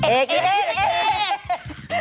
เอจ